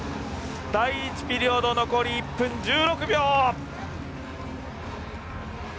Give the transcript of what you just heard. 第１ピリオド、残り１分１６秒！